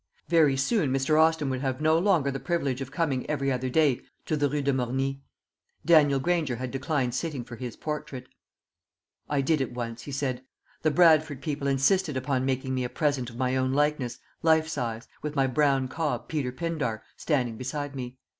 Very soon Mr. Austin would have no longer the privilege of coming every other day to the Rue de Morny. Daniel Granger had declined sitting for his portrait. "I did it once," he said. "The Bradford people insisted upon making me a present of my own likeness, life size, with my brown cob, Peter Pindar, standing beside me.